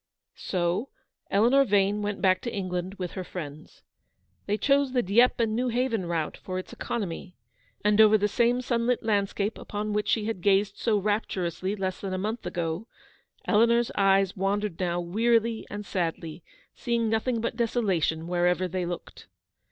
"' So Eleanor Yane went back to England with her friends. They chose the Dieppe and Xew haven route for its economy ; and over the same sunlit landscape upon which she had gazed so rapturously less than a month ago, Eleanor's eyes wandered now wearily and sadly, seeing nothing but desolation wherever they looked.